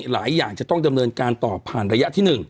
หลายอย่างจะต้องดำเนินการต่อผ่านระยะที่๑